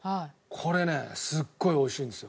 これねすっごい美味しいんですよ。